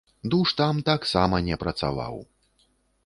Душ там таксама не працаваў.